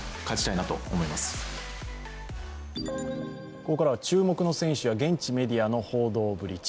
ここからは注目の選手や、現地メディアの報道ぶり